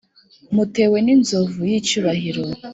Mutewe n’Inzovu y’icyubahiro